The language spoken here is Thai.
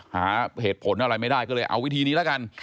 หาเหตุผลอะไรไม่ได้ก็เลยเอาวิธีนี้แล้วกัน